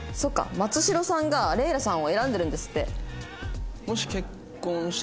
松代さんがレイラさんを選んでるんですって。